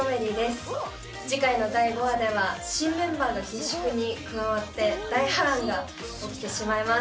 次回の第５話では新メンバーが下宿に加わって大波乱が起きてしまいます。